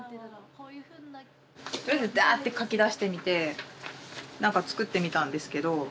とりあえずダーッて書きだしてみてなんか作ってみたんですけど。